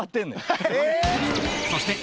そして